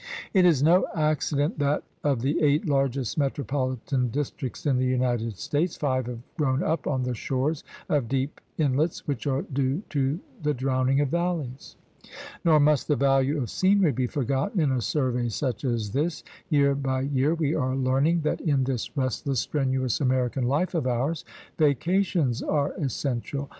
It is no accident that of the eight largest metropolitan districts in the United States five have grown up on the shores of deep inlets which are due to the drowning of valleys. Nor must the value of scenery be forgotten in a survey such as this. Year by year we are learning that in this restless, strenuous American life of ours vacations are essential.